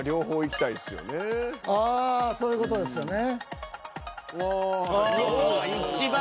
ああそういう事ですよね。